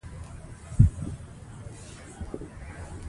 لیکنه او فونېم توپیر لري.